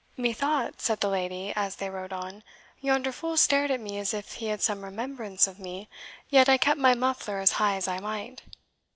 "Methought," said the lady, as they rode on, "yonder fool stared at me as if he had some remembrance of me; yet I kept my muffler as high as I might."